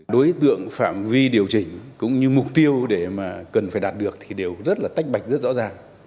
đối tượng phạm vi điều chỉnh cũng như mục tiêu để mà cần phải đạt được thì đều rất là tách bạch rất rõ ràng